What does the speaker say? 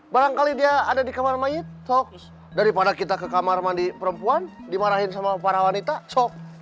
barangkali dia ada di kamar manyut talks daripada kita ke kamar mandi perempuan dimarahin sama para wanita shock